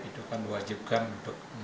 itu akan diwajibkan untuk